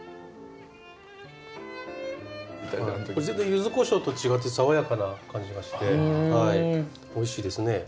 全然ユズこしょうと違って爽やかな感じがしておいしいですね。